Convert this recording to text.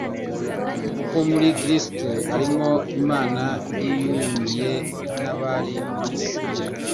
« Kuko muri Kristo, arimo Imana yiyungiye n'abari mu isi`'»